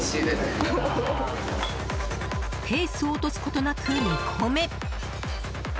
ペースを落とすことなく２個目。